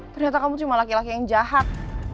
ternyata kamu cuma laki laki yang jahat